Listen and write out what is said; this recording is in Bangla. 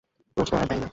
রোজ তো আর দেয় না।